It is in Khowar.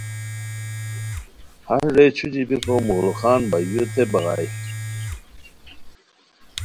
ہݰ رے چھوچھی بیکو مغل خان بایوؤتے بغائے